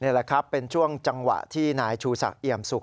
นี่แหละครับเป็นช่วงจังหวะที่นายชูศักดิมสุก